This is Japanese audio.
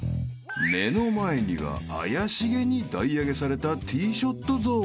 ［目の前には怪しげに台上げされたティーショットゾーン］